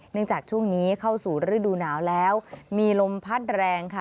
จากช่วงนี้เข้าสู่ฤดูหนาวแล้วมีลมพัดแรงค่ะ